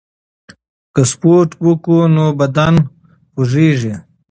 که سپورت وکړو نو بدن نه خوږیږي.